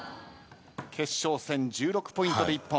決勝戦１６ポイントで一本。